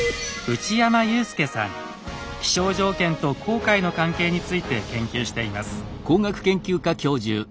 気象条件と航海の関係について研究しています。